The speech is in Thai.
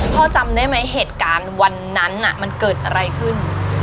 จำได้ไหมเหตุการณ์วันนั้นมันเกิดอะไรขึ้น